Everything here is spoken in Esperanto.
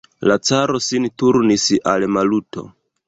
La caro sin turnis al Maluto.